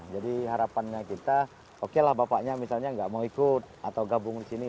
jadi harapannya kita oke lah bapaknya misalnya gak mau ikut atau gabung di sini